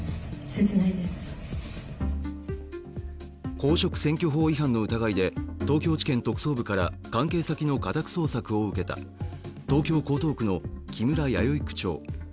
公職選挙法違反の疑いで東京地検特捜部から関係先の家宅捜索を受けた東京・江東区の木村弥生区長。